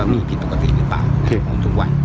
มีผิดปกติหรือเปล่าทุกวัน